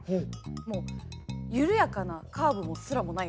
もう緩やかなカーブすらもない。